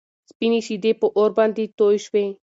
سپينې شيدې په اور باندې توی شوې.